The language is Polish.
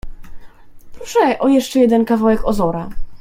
"Proszę o jeszcze jeden kawałek ozora."